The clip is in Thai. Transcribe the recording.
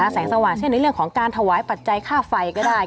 แสงสว่างเช่นในเรื่องของการถวายปัจจัยค่าไฟก็ได้